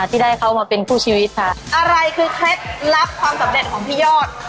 ที่ได้เขามาเป็นคู่ชีวิตค่ะอะไรคือเคล็ดลับความสำเร็จของพี่ยอด